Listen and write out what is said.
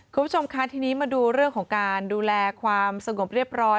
คุณผู้ชมคะทีนี้มาดูเรื่องของการดูแลความสงบเรียบร้อย